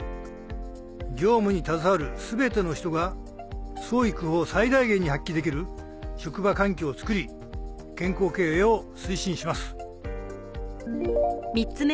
業務に携わる全ての人が創意工夫を最大限に発揮できる職場環境を作り健康経営を推進します。